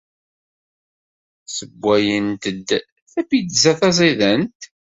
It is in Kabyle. Ssewwayent-d tapizza d taẓidant.